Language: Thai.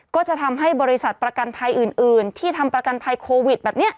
ก็จะทำให้บริษัทประกันภัยอื่นที่ทำประกันภัยโควิดแบบนี้